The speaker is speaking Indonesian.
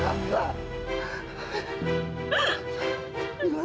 kamu sadar camilla